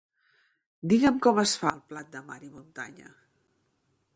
Digue'm com es fa el plat de mar i muntanya.